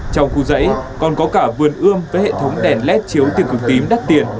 trong khu dãy còn có cả vườn ươm với hệ thống đèn led chiếu tiền cực tím đắt tiền